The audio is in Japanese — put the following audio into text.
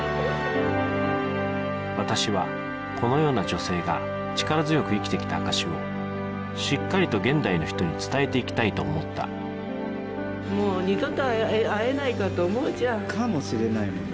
私はこのような女性が力強く生きてきた証しをしっかりと現代の人に伝えていきたいと思ったもう二度と会えないかと思うじゃんかもしれないもんね